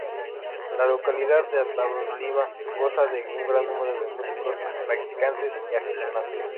La localidad de Ataliva goza de un gran número de músicos practicantes y aficionados.